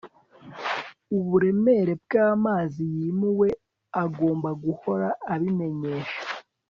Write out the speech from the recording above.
uburemere bw'amazi yimuwe agomba guhora abimenyesha